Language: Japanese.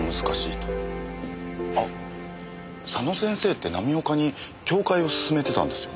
あっ佐野先生って浪岡に教誨を勧めてたんですよね。